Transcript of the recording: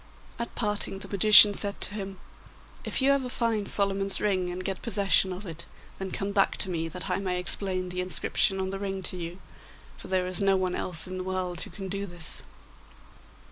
At parting the magician said to him. 'If you ever find Solomon's ring and get possession of it, then come back to me, that I may explain the inscription on the ring to you, for there is no one else in the world who can do this.